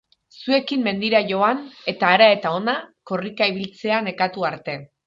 Zuekin mendira joan eta hara eta hona korrika ibiltzea nekatu arte.